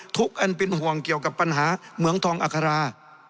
อันเป็นห่วงเกี่ยวกับปัญหาเหมืองทองอัครา